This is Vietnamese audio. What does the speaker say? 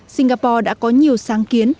singapore đã có nhiều sáng kiến